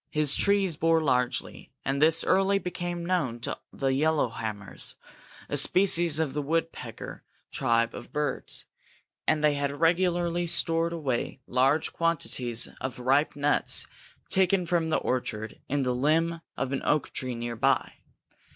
His trees bore largely, and this early became known to the yellowhammers, a species of the woodpecker tribe of birds, and they had regularly stored away large quantities of ripe nuts taken from the orchard in the limb of an oak tree near by.